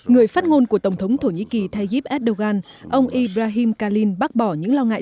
người phát ngôn của tổng thống thổ nhĩ kỳ tayyip erdogan ông ibrahim kalin bác bỏ những lo ngại